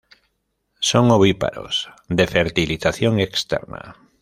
Son ovíparos de fertilización externa.